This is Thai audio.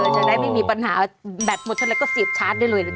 อ๋อจะได้ไม่มีปัญหาแบบหมดเฉพาะแล้วก็สีบชาร์จได้เลยเลยจ้ะ